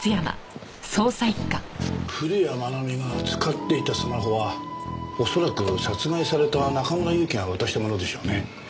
古谷愛美が使っていたスマホはおそらく殺害された中村祐樹が渡したものでしょうね。